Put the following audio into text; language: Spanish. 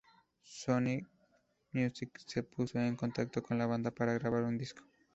Sony Music se puso en contacto con la banda para grabar un disco.